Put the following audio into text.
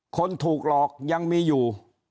คนถูกหลอกยังมีอยู่